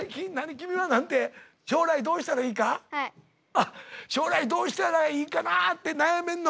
あっ将来どうしたらいいかなあって悩めんの？